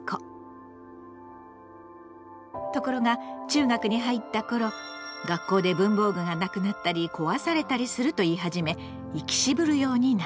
ところが中学に入った頃学校で文房具がなくなったり壊されたりすると言い始め行き渋るようになった。